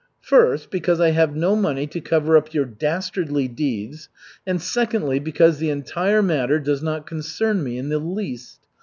"First, because I have no money to cover up your dastardly deeds, and secondly because the entire matter does not concern me in the least.